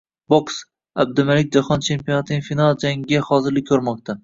Boks: Abdumalik jahon chempionatining final jangiga hozirlik ko‘rmoqdang